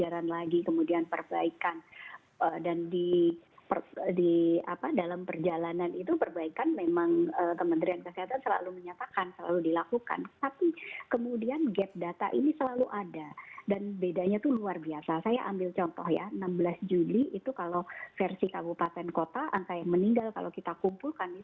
hanya sekarang prosesnya adalah dari skala laboratorium